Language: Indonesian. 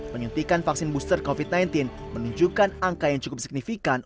penyuntikan vaksin booster covid sembilan belas menunjukkan angka yang cukup signifikan